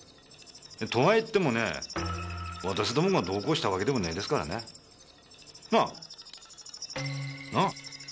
とはいってもね私どもがどうこうしたわけでもねえですからね。なあ？なあ？